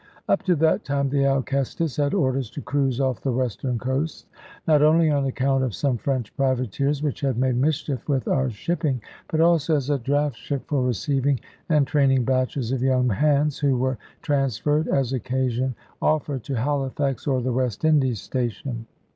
Up to that time the Alcestis had orders to cruise off the western coasts, not only on account of some French privateers, which had made mischief with our shipping, but also as a draft ship for receiving and training batches of young hands, who were transferred, as occasion offered, to Halifax, or the West Indies station.